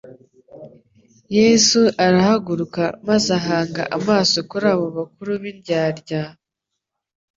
Yesu arahaguruka maze ahanga amaso kuri abo bakuru b'indyarya,